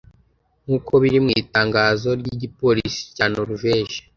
nk’uko biri mu itangazo ry’igipolisi cya Norvege